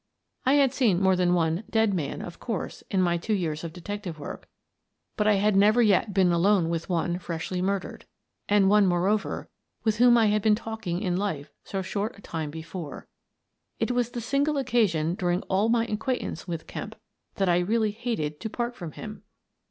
I had seen more than one dead man, of course, in my two years of detective work, but I had never yet been alone with one freshly A Mysterious Disappearance 59 BSBsaas ==^==aaa^3s murdered — and one, moreover, with whom I had been talking in life so short a time before. It was the single occasion during all my acquaintance with Kemp when I really hated to part from him.